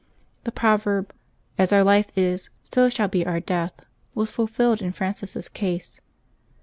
The proverb, " As our life is, so shall be our death," was fulfilled in Francis' case.